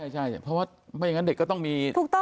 ใช่เพราะว่าไม่อย่างนั้นเด็กก็ต้องมี